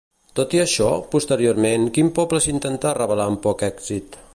Tot i això, posteriorment, quin poble s'intentà revelar amb poc èxit?